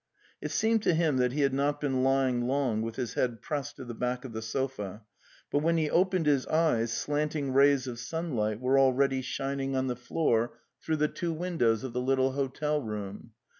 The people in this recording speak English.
It seemed to him that he had not been lying long with his head pressed to the back of the sofa, but when he opened his eyes slanting rays of sunlight were already shining on the floor through the two The Steppe 291 windows of the little hotel room.